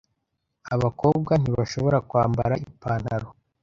abakobwa ntibashobora kwambara ipantalo,